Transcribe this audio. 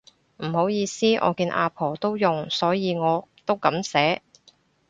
唔好意思，我見阿婆都用所以我都噉寫